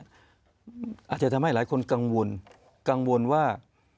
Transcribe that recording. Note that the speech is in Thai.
อาจจะทำให้หลายคนกังวลกังวลว่า